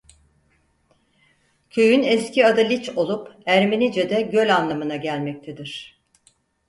Köyün eski adı Liç olup Ermenice'de "Göl" anlamına gelmektedir.